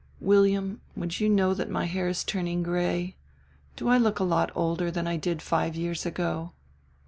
William, would you know that my hair is turning gray, do I look a lot older than I did five years ago?"